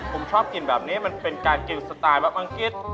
ผมชอบกินแบบนี้มันเป็นการกินสไตล์แบบอังกฤษ